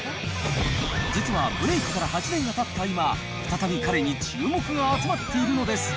実は、ブレイクから８年がたった今、再び彼に注目が集まっているのです。